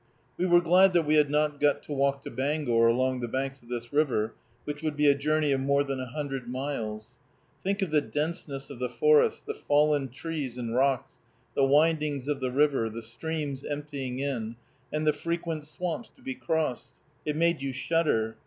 We were glad that we had not got to walk to Bangor along the banks of this river, which would be a journey of more than a hundred miles. Think of the denseness of the forest, the fallen trees and rocks, the windings of the river, the streams emptying in, and the frequent swamps to be crossed. It made you shudder.